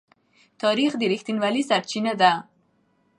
تاریخ د رښتینولۍ سرچینه ده.